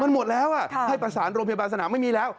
มันหมดแล้วให้ประสานโรงพยาบาลสนามไม่มีแล้ว